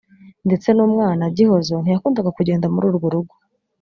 ndetse n’umwana (Gihozo) ntiyakundaga kugenda muri urwo rugo